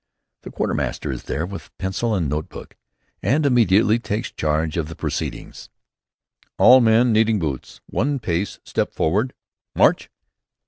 The quartermaster is there with pencil and notebook, and immediately takes charge of the proceedings. "All men needing boots, one pace step forward, March!"